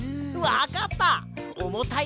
わかった！